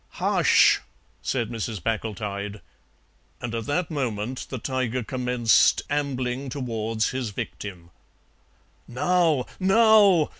"Hush!" said Mrs. Packletide, and at that moment the tiger commenced ambling towards his victim. "Now, now!"